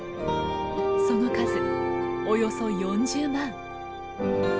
その数およそ４０万。